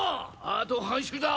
あと半周だ！！